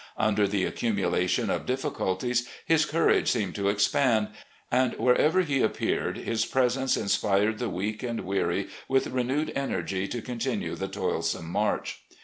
Under the accmnulation of difficulties, his courage seemed to expand, and wherever he appeared his presence inspired the weak and weary with renewed energy to continue the toilsome march.